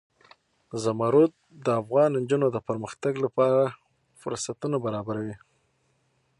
زمرد د افغان نجونو د پرمختګ لپاره فرصتونه برابروي.